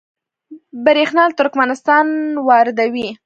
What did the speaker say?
بریښنا له ترکمنستان واردوي